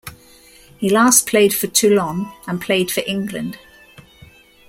He last played for Toulon and played for England.